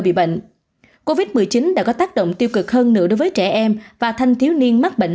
bị bệnh covid một mươi chín đã có tác động tiêu cực hơn nữa đối với trẻ em và thanh thiếu niên mắc bệnh